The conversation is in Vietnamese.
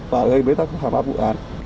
và gây ra các khám phá vụ án